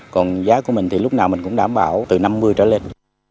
còn giá của mình thì lúc nào mình cũng đảm bảo từ năm mươi trở lên